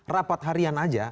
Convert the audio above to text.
rapat harian aja